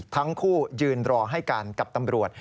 ทั้งคู่ยืนรอให้การกับตำรวจ